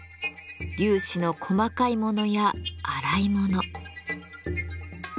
粒子の細かいものや粗いもの。